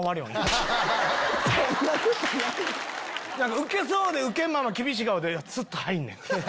ウケそうでウケんまま厳しい顔ですっと入んねん。